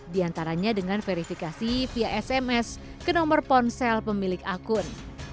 di antaranya dengan verifikasi via sms ke nomor ponsel pemilik akun